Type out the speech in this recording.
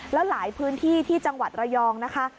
แล้วหลายพื้นที่ที่จังหวัดระยองนะคะ